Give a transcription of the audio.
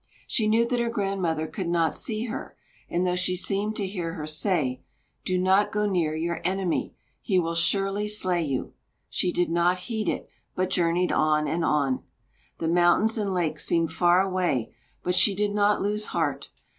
She knew that her grandmother could not see her, and though she seemed to hear her say: "Do not go near your enemy; he will surely slay you," she did not heed it, but journeyed on and on. The mountains and lakes seemed far away; but she did not lose heart.